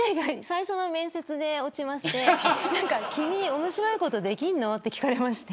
最初の面接で落ちて君、面白いことできんのって聞かれて。